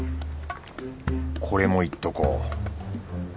これもいっとこう